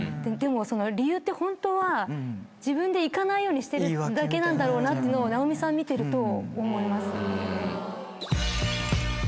でもその理由って本当は自分で行かないようにしてるだけなんだろうなって直美さん見てると思います。